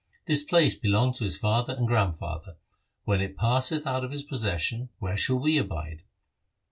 This place belonged to his father and grandfather. When it passeth out of his possession, where shall we abide